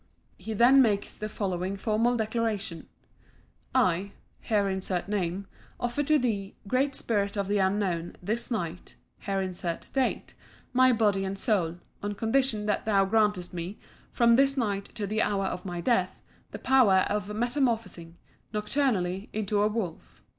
He then makes the following formal declaration: "I (here insert name) offer to thee, Great Spirit of the Unknown, this night (here insert date), my body and soul, on condition that thou grantest me, from this night to the hour of my death, the power of metamorphosing, nocturnally, into a wolf.